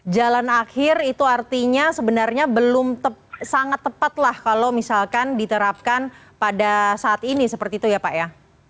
jalan akhir itu artinya sebenarnya belum sangat tepat lah kalau misalkan diterapkan pada saat ini seperti itu ya pak ya